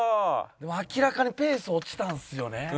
でも明らかにペース落ちたんですよね。